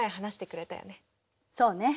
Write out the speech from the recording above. そうね。